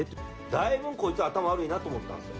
だいぶこいつ、頭悪いなと思ったんですよ。